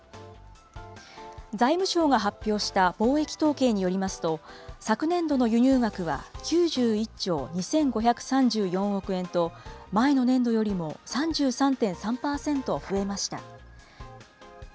財務省が発表した貿易統計によりますと、昨年度の輸入額は、９１兆２５３４億円と、前の年度よりも３３．３％増えました。